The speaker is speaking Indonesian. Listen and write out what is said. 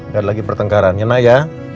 gak ada lagi pertengkaran ya na ya